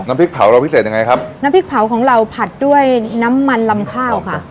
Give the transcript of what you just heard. พริกเผาเราพิเศษยังไงครับน้ำพริกเผาของเราผัดด้วยน้ำมันลำข้าวค่ะ